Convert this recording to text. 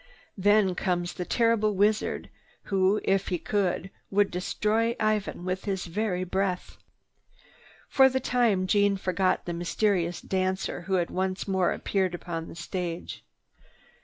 Then comes the terrible wizard who, if he could, would destroy Ivan with his very breath. For the time Jeanne forgot the mysterious dancer who had once more appeared upon the scene.